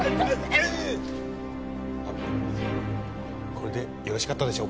あっこれでよろしかったでしょうか？